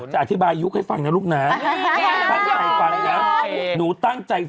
หนูแพ้พี่โมน่า๘๐ป่ะเราก็๙๐